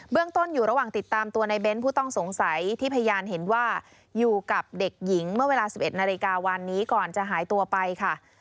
ต้นอยู่ระหว่างติดตามตัวในเน้นผู้ต้องสงสัยที่พยานเห็นว่าอยู่กับเด็กหญิงเมื่อเวลา๑๑นาฬิกาวันนี้ก่อนจะหายตัวไปค่ะ